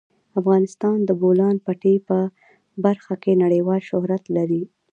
افغانستان د د بولان پټي په برخه کې نړیوال شهرت لري.